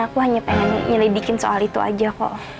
aku hanya pengen nyelidikin soal itu aja kok